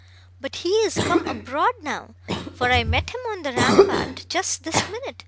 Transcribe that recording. But he is come abroad now, for I met him on the rampart just this minute.